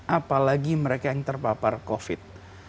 apalagi mereka yang terpapar covid